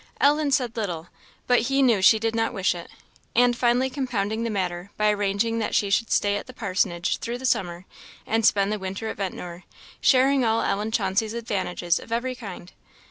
Ellen said little, but he knew she did not wish it; and finally compounded the matter by arranging that she should stay at the parsonage through the summer, and spend the winter at Ventnor, sharing all Ellen Chauncey's advantages of every kind.